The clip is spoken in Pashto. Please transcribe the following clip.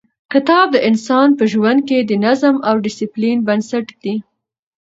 کتاب د انسان په ژوند کې د نظم او ډیسپلین بنسټ ږدي.